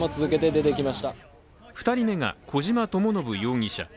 ２人目が、小島智信容疑者。